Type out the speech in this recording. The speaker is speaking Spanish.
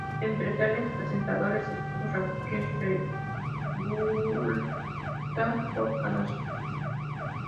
Entre tales presentadoras estuvo Raquel Revuelta por Canal Sur.